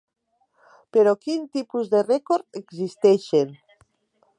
Però quin tipus de Rècord existeixen.